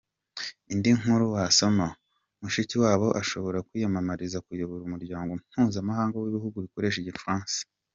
Indi nkuru wasoma: Mushikiwabo ashobora kwiyamamariza kuyobora Umuryango Mpuzamahanga w’Ibihugu bikoresha Igifaransa.